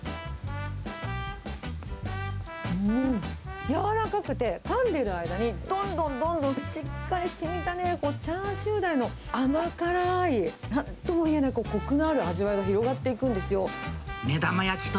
うん、柔らかくて、かんでる間に、どんどんどんどんしっかりしみたチャーシューだれの甘辛ーい、なんとも言えない、こくのある味わいが広がっていくんですよ。